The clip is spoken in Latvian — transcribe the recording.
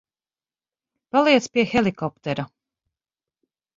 Paliec pie helikoptera.